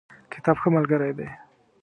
کتاب ښه ملګری دی